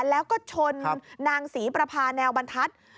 แล้วก็ชนนางศรีประพาแนวบรรทัศน์